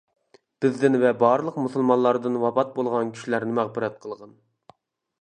بىزدىن ۋە بارلىق مۇسۇلمانلاردىن ۋاپات بولغان كىشىلەرنى مەغپىرەت قىلغىن.